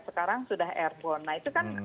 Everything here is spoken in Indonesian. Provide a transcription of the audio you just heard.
sekarang sudah airborne nah itu kan